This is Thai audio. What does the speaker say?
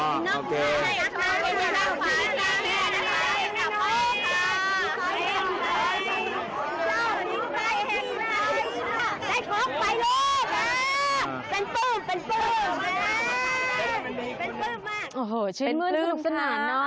เป็นปื้มเป็นปื้มเป็นปื้มเป็นปื้มมากโอ้โหชื่นเมื่อนสนุกสนานเนอะ